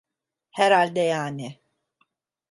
Herhalde yani.